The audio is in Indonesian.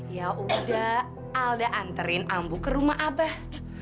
ya udah alda anterin ambu ke rumah abah